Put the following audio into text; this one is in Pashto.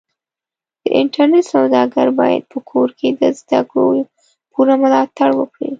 د انټرنېټ سوداګر بايد په کور کې د زدهکړو پوره ملاتړ وکړي.